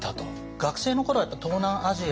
学生の頃はやっぱ東南アジア。